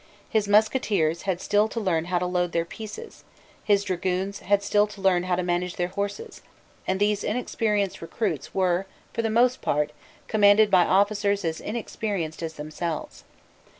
His musketeers had still to learn how to load their pieces: his dragoons had still to learn how to manage their horses; and these inexperienced recruits were for the most part commanded by officers as inexperienced as themselves.